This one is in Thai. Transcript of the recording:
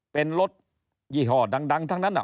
เป็นรถยี่ห้อดังทั้งนั้น